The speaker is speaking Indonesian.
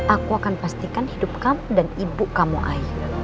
aku akan pastikan hidup kamu dan ibu kamu air